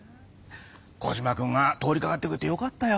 コジマくんが通りかかってくれてよかったよ。